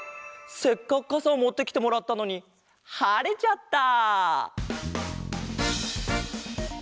せっかくかさをもってきてもらったのにはれちゃった！